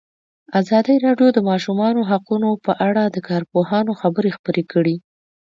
ازادي راډیو د د ماشومانو حقونه په اړه د کارپوهانو خبرې خپرې کړي.